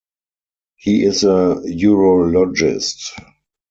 He is a urologist.